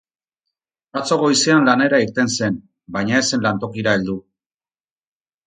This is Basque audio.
Atzo goizean lanera irten zen, baina ez zen lantokira heldu.